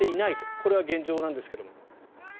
これは現状なんですが。